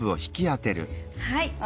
はい。